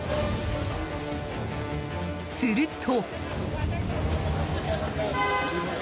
すると。